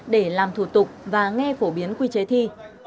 để làm thủ tục và nghe phổ biến quy chế thi